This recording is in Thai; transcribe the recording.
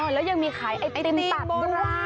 แล้วยังมีขายไอติมตัด